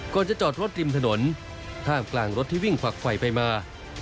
ก่อนจะจอดรถริมถนนท่ามกลางรถที่วิ่งฝักไฟไปมา